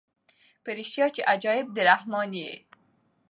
په ریشتیا چي عجایبه د رحمان یې